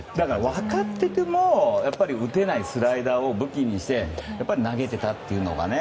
分かっていても打てないスライダーを武器にして投げていたというのがね。